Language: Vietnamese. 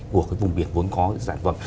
của cái vùng biển vốn có sản phẩm